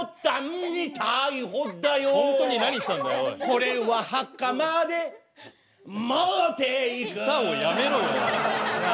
これは墓まで持っていく歌をやめろよじゃあ。